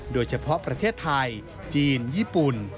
โดยเฉพาะประเทศไทยจีนญี่ปุ่น